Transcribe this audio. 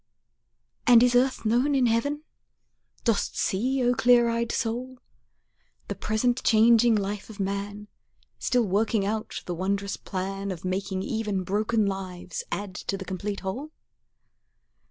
And is earth known in heaven? Dost see, O clear eyed soul, The present changing life of man Still working out the wondrous plan Of making even broken lives add to the complete whole?